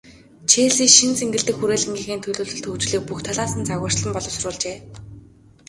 Челси шинэ цэнгэлдэх хүрээлэнгийнхээ төлөвлөлт, хөгжлийг бүх талаас нь загварчлан боловсруулжээ.